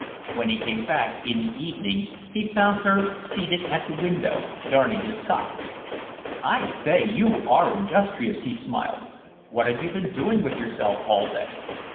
When he came back in the evening he found her seated at the window, darning his socks. "I say, you are industrious," he smiled. "What have you been doing with yourself all day?"